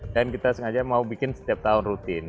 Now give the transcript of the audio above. dan kita sengaja mau bikin setiap tahun rutin